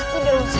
tidur lelah setan